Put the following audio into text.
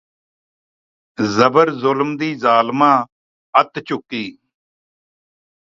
ਜ਼ਬਰ ਜੁਲਮ ਦੀ ਜਾਲਮਾ ਅੱਤ ਚੁੱਕੀ